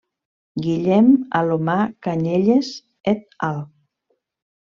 Guillem Alomar Canyelles et al.